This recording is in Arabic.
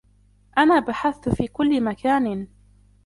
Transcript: أنا بحثت في كل مكان.